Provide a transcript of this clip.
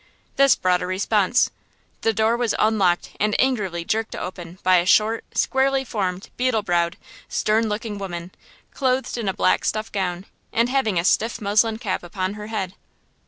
This brought a response. The door was unlocked and angrily jerked open by a short, squarely formed, beetle browed, stern looking woman, clothed in a black stuff gown and having a stiff muslin cap upon her head.